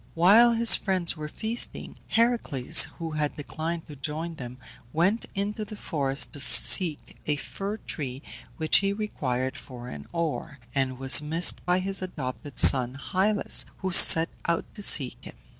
While his friends were feasting, Heracles, who had declined to join them, went into the forest to seek a fir tree which he required for an oar, and was missed by his adopted son Hylas, who set out to seek him.